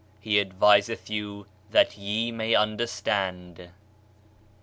He adviseth you that ye may understand."